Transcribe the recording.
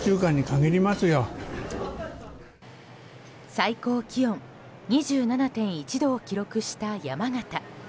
最高気温２７．１度を記録した山形。